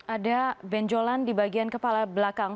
ada benjolan di bagian kepala belakang